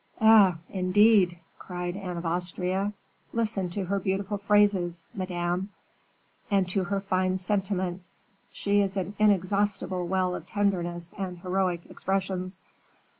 "Eh! indeed," cried Anne of Austria, "listen to her beautiful phrases, Madame, and to her fine sentiments; she is an inexhaustible well of tenderness and heroic expressions.